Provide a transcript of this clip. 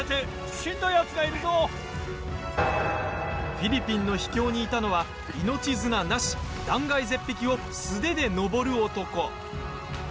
フィリピンの秘境にいたのは命綱なし断崖絶壁を素手で登る男。